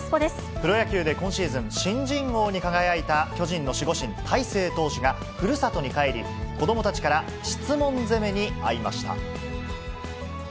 プロ野球で今シーズン、新人王に輝いた巨人の守護神、大勢投手がふるさとに帰り、子どもたちから質問攻めにあいました。